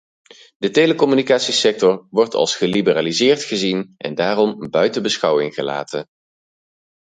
De telecommunicatiesector wordt als geliberaliseerd gezien en daarom buiten beschouwing gelaten.